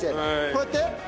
こうやって？